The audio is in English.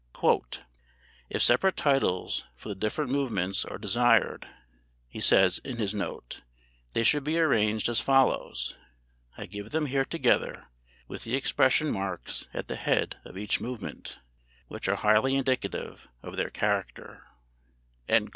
"If separate titles for the different movements are desired," he says in his note, "they should be arranged as follows [I give them here together with the expression marks at the head of each movement, which are highly indicative of their character]: 1.